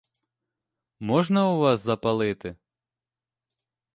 Можна у вас запалити?